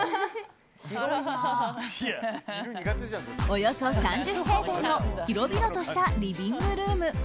およそ３０平米の広々としたリビングルーム。